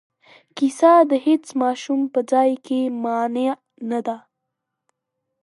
کیسه د هیڅ ماشوم په ځای کې مانع نه دی.